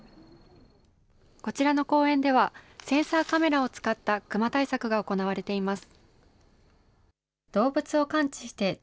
こちらの公園では、センサーカメラを使ったクマ対策が行われています。